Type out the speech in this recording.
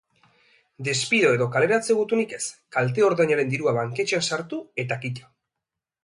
Despido edo kaleratze gutunik ez, kalte-ordainaren dirua banketxean sartu eta kitto.